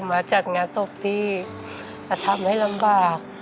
มาจัดงานตกพี่แล้วทำให้ลำบาก